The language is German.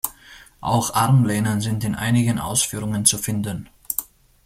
Auch Armlehnen sind in einigen Ausführungen zu finden.